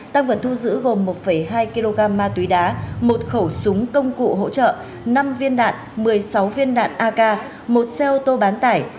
tăng vật thu giữ gồm một hai kg ma túy đá một khẩu súng công cụ hỗ trợ năm viên đạn một mươi sáu viên đạn ak một xe ô tô bán tải